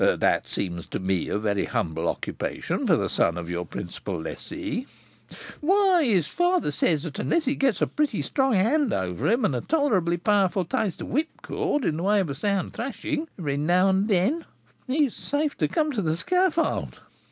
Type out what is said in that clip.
"This seems to me a very humble occupation for the son of your principal lessee." "Why, his father says unless he gets a pretty strong hand over him, and a tolerably powerful taste of whipcord, in the way of a sound thrashing, every now and then, he is safe to come to the scaffold.